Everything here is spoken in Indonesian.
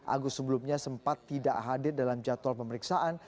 agus sebelumnya sempat tidak hadir dalam jadwal pemeriksaan